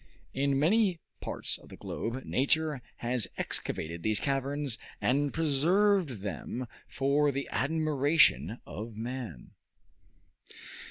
In many parts of the globe, nature has excavated these caverns, and preserved them for the admiration of man.